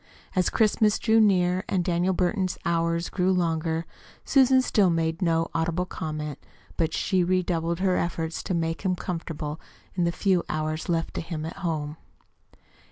As Christmas drew near, and Daniel Burton's hours grew longer, Susan still made no audible comment; but she redoubled her efforts to make him comfortable the few hours left to him at home.